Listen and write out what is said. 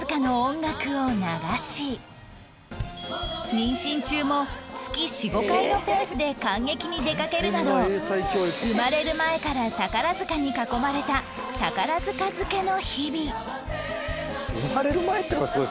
妊娠中も月４５回のペースで観劇に出かけるなど生まれる前から宝塚に囲まれたひと握りよ。